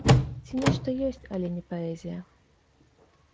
Ці нешта ёсць, але не паэзія.